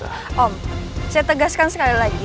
tapi saya harus mengerti sekali lagi